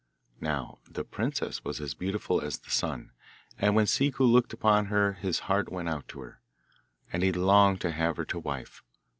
Now the princess was as beautiful as the sun, and when Ciccu looked upon her his heart went out to her, and he longed to have her to wife.